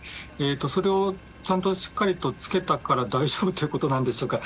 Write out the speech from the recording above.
それをしっかりとつけたから大丈夫だということなんでしょうか。